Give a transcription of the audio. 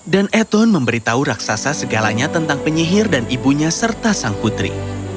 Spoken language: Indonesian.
dan eton memberitahu raksasa segalanya tentang penyihir dan ibunya serta sang putri